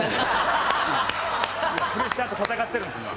プレッシャーと戦ってるんです今。